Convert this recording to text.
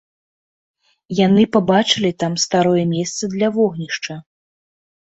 Яны пабачылі там старое месца для вогнішча.